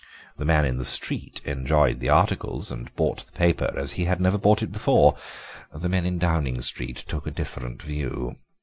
The man in the street enjoyed the articles and bought the paper as he had never bought it before; the men in Downing Street took a different view.